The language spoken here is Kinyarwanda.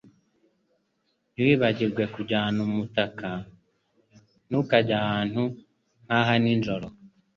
Ntiwibagirwe kujyana umutaka. Ntukajye ahantu nk'aha nijoro.